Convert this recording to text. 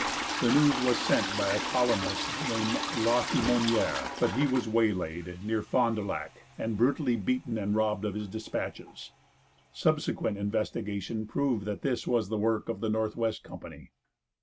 The news was sent by a colonist named Laquimonier, but he was waylaid, near Fond du Lac, and brutally beaten and robbed of his dispatches. Subsequent investigation proved that this was the work of the Northwest Company.